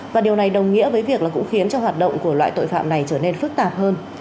và điều này đồng nghĩa với việc là cũng khiến cho hoạt động của loại tội phạm này trở nên phức tạp hơn